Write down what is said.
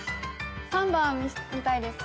３番見たいです。